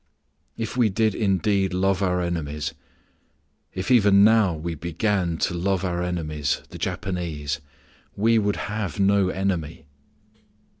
If we did indeed love our enemies, if even now we began to love our enemies, the Japanese, we would have no enemy.